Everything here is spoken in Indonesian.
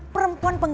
bukan di mana